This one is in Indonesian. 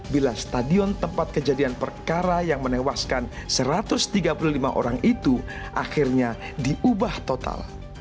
bila stadion tempat kejadian perkara yang menewaskan satu ratus tiga puluh lima orang itu akhirnya diubah total